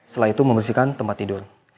setelah itu membersihkan tempat tidur